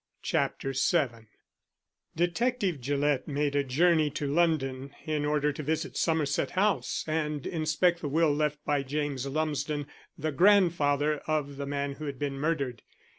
CHAPTER VII DETECTIVE GILLETT made a journey to London in order to visit Somerset House and inspect the will left by James Lumsden, the grandfather of the man who had been murdered.